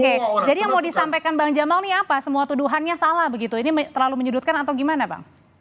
oke jadi yang mau disampaikan bang jamal ini apa semua tuduhannya salah begitu ini terlalu menyudutkan atau gimana bang